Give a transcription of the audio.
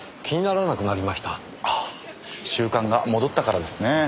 習慣が戻ったからですね。